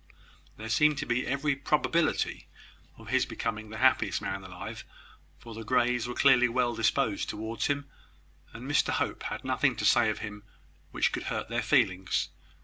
There seemed to be every probability of his becoming the happiest man alive for the Greys were clearly well disposed towards him, and Mr Hope had nothing to say of him which could hurt their feelings.